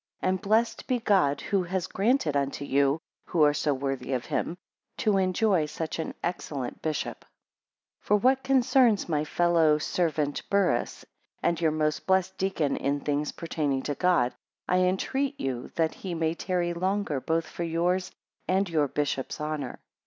And blessed be God, who has granted unto you, who are so worthy of him, to enjoy such an excellent bishop. 6 For what concerns my fellow servant Burrhus, and your most blessed deacon in things pertaining to God; I entreat you that he may tarry longer, both for yours, and your bishop's honour.